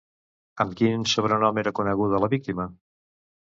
Amb quin sobrenom era coneguda la víctima?